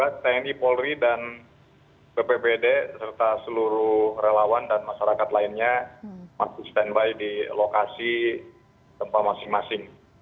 tni polri dan bpbd serta seluruh relawan dan masyarakat lainnya masih standby di lokasi tempat masing masing